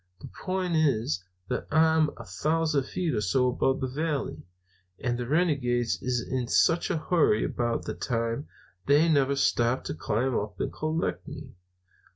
The point is that I'm a thousand feet or so above the valley, and the renegades is in such a hurry about that time that they never stop to climb up and collect me.